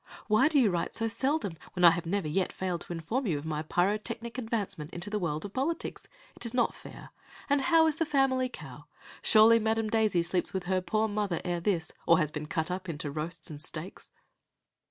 Why do you write so seldom, when I have never yet failed to inform you of my pyrotechnic advancement into the world of politics? It is not fair. And how is the family cow? Surely Madam Daisy sleeps with her poor mother ere this, or has been cut up into roasts and steaks."